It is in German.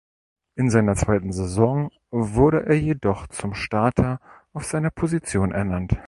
In seiner zweiten Saison wurde er jedoch zum Starter auf seiner Position ernannt.